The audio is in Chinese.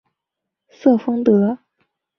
瑟丰德。